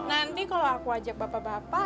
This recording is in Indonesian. nanti kalau aku ajak bapak bapak